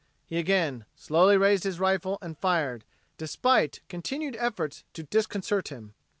He again slowly raised his rifle and fired, despite continued efforts to disconcert him.